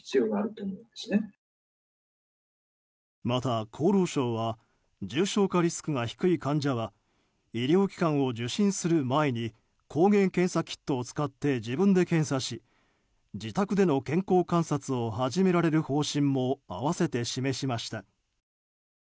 また厚労省は重症化リスクが低い患者は医療機関を受診する前に抗原検査キットを使って自分で検査し自宅での健康観察を始められる方針も合わせて示しました。